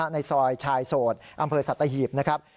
ในซอยชายโสดอำเภอสัตหีบนะครับ